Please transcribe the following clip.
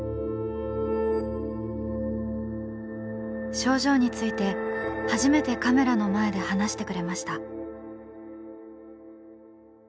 症状について初めてカメラの前で話してくれました。